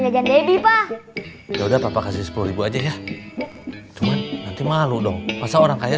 jajan debi pak ya udah papa kasih sepuluh aja ya nanti malu dong masa orang kaya